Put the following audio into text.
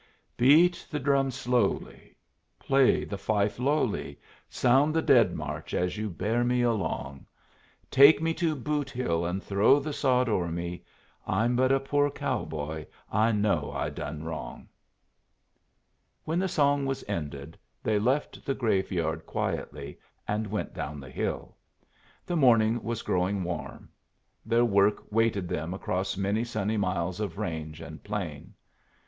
"Beat the drum slowly, Play the fife lowly, Sound the dead march as you bear me along. Take me to Boot hill, and throw the sod over me I'm but a poor cow boy, I know I done wrong." When the song was ended, they left the graveyard quietly and went down the hill. The morning was growing warm. Their work waited them across many sunny miles of range and plain.